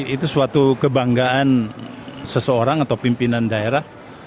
itu suatu kebanggaan seseorang atau pimpinan daerah